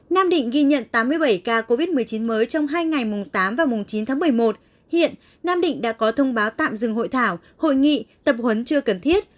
nam định ghi nhận tám mươi bảy ca covid một mươi chín mới trong hai ngày tám chín một mươi một hiện nam định đã có thông báo tạm dừng hội thảo hội nghị tập huấn chưa cần thiết